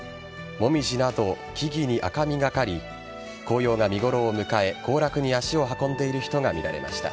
モミジなど、木々に赤みがかかり紅葉が見頃を迎え行楽に足を運んでいる人が見られました。